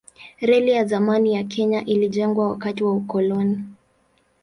Reli ya zamani ya Kenya ilijengwa wakati wa ukoloni.